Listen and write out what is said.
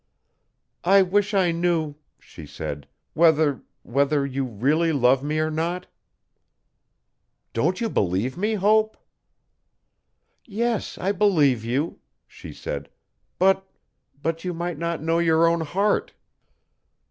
'I wish I knew,' she said, 'whether whether you really love me or not? 'Don't you believe me, Hope? 'Yes, I believe you,' she said, 'but but you might not know your own heart.